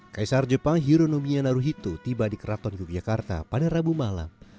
kaisar jepang hironomian naruhito tiba di keraton yogyakarta pada rabu malam